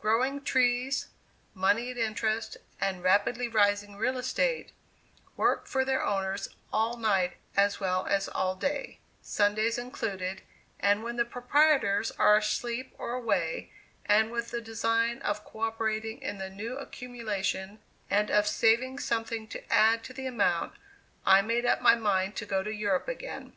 Growing trees, money at interest, and rapidly rising real estate, work for their owners all night as well as all day, Sundays included, and when the proprietors are asleep or away, and with the design of coöperating in the new accumulation and of saving something to add to the amount, I made up my mind to go to Europe again.